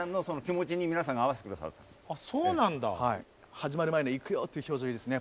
始まる前の「いくよ」っていう表情がいいですね